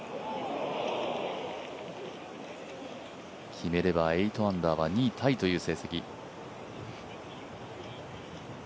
決めれば８アンダーは２位タイという成績。